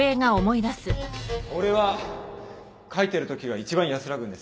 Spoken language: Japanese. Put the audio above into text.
俺は書いてるときが一番安らぐんです